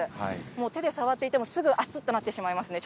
もう手で触っていても、すぐ、熱っとなってしまいますね。